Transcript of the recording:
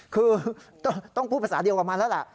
คือต้องพูดภาษาเดียวกับมันแล้วล่ะ